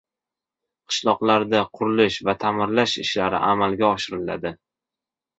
Qishloqlarda qurilish va ta’mirlash ishlari amalga oshiriladi